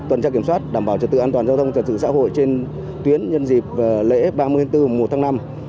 tuần tra kiểm soát đảm bảo trật tự an toàn giao thông trật tự xã hội trên tuyến nhân dịp lễ ba mươi tháng bốn mùa một tháng năm